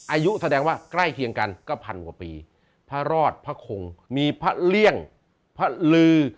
อายุแสดงว่าใกล้เคียงกันก็พันกว่าปีพระรอดพระคงมีพระเลี่ยงพระลือ